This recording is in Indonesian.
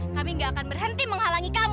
kami gak akan berhenti menghalangi kami